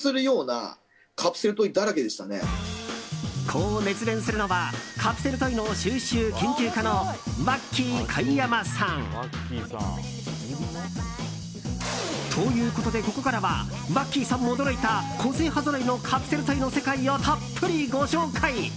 こう熱弁するのはカプセルトイの収集・研究家のワッキー貝山さん。ということで、ここからはワッキーさんも驚いた個性派ぞろいのカプセルトイの世界をたっぷりご紹介。